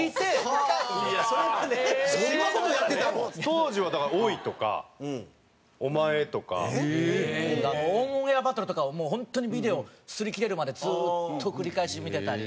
当時はだから「おい！」とか「お前」とか。『オンエアバトル』とかを本当にビデオ擦り切れるまでずっと繰り返し見てたり。